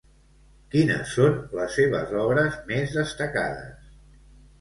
Quines són les seves obres més destacades?